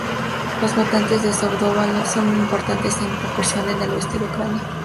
Los votantes de Svoboda son más importantes en proporción en el oeste de Ucrania.